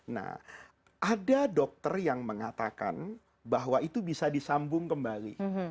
nah ada dokter yang mengatakan bahwa itu bisa disambung kembali